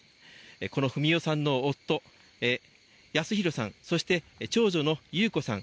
この文代さんの夫保啓さん、そして長女の優子さん